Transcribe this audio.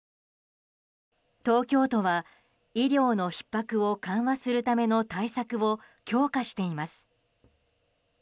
東京都は医療のひっ迫を緩和するための対策を強化しています。